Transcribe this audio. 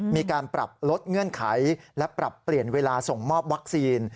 มีการปรับลดเงื่อนไขและปรับเปลี่ยนเวลาส่งมอบวัคซีน